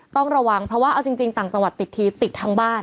ต้องระวังเพราะว่าเอาจริงต่างจังหวัดติดทีติดทั้งบ้าน